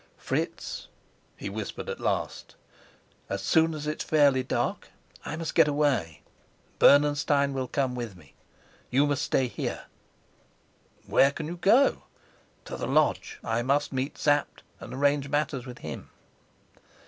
"Fritz," he whispered at last, "as soon as it's fairly dark I must get away. Bernenstein will come with me. You must stay here." "Where can you go?" "To the lodge. I must meet Sapt and arrange matters with him."